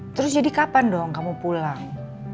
terus jadi kapan dong kamu pulang